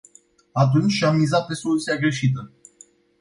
Atunci, am miza pe soluția greșită.